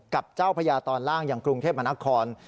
กับเจ้าพญาตอนล่างอย่างกรุงเทพมนาคม